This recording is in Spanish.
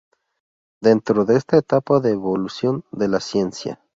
Dentro de esta etapa de evolución de la ciencia.